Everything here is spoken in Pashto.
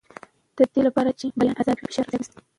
د دې لپاره چې بیان ازاد وي، فشار به زیات نه شي.